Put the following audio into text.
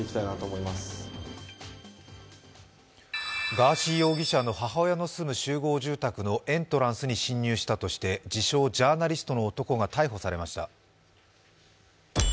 ガーシー容疑者の母親の住む集合住宅のエントランスに侵入したとして自称・ジャーナリストの男が逮捕されました。